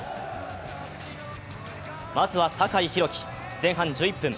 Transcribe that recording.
まずは酒井宏樹、前半１１分。